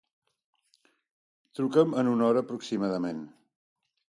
Truca'm en una hora aproximadament.